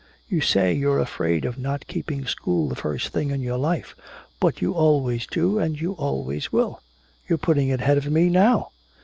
You say you're afraid of not keeping school the first thing in your life! But you always do and you always will! You're putting it ahead of me now!"